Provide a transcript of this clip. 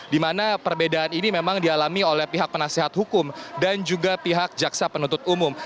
di mana perbedaan ini memang dialami oleh pihak penasehat hukum dan juga pihak jaksa penuntut umum